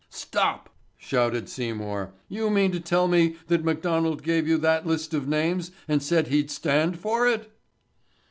"Stop," shouted Seymour. "You mean to tell me that McDonald gave you that list of names and said he'd stand for it?"